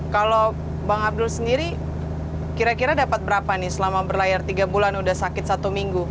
kalau bang abdul sendiri kira kira dapat berapa nih selama berlayar tiga bulan udah sakit satu minggu